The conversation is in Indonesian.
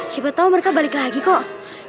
siapa tau mereka balik lagi kok